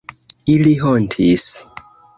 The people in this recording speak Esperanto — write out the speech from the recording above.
Ili hontis.